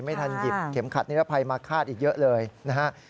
ไม่ทันหยิบเข็มขัดนิรภัยมาคาดอีกเยอะเลยนะฮะ